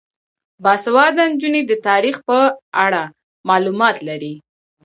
باسواده نجونې د تاریخ په اړه معلومات لري.